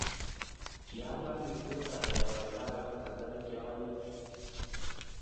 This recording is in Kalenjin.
Kiabwat mising akanai ale kakoit kasarta ne kiokenyi